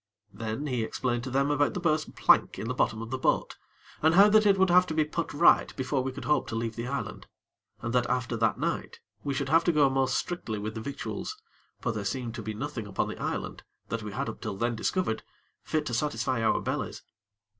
Then, he explained to them about the burst plank in the bottom of the boat, and how that it would have to be put right before we could hope to leave the island, and that after that night we should have to go most strictly with the victuals; for there seemed to be nothing upon the island, that we had up till then discovered, fit to satisfy our bellies.